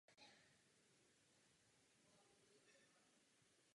Právě v tomto roce ukončila aktivní sportovní kariéru.